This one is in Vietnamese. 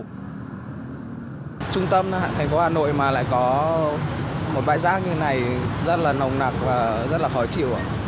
mình cũng có trẻ con nên là cũng không dám cho ra ngoài